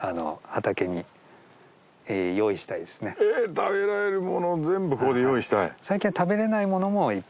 食べられるものを全部ここで用意したい。